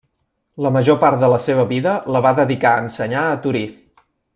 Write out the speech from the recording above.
La major part de la seva vida la va dedicar a ensenyar a Torí.